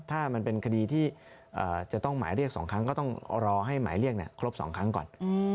ถ้ามันเป็นคดีที่จะต้องหมายเรียก๒ครั้งก็ต้องรอให้หมายเรียกครบ๒ครั้งก่อน